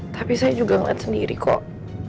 tapi saya juga melihat sendiri kok